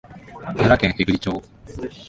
奈良県平群町